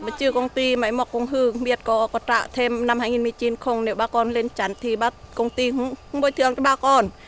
mà chưa công ty mấy mọc không hư biết có trả thêm năm hai nghìn một mươi chín không nếu bà con lên tránh thì bác công ty không bồi thương cho bà con